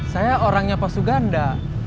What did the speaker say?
saya orangnya pak suganda